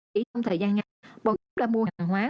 khi trong thời gian ngay bọn chúng đã mua hàng hóa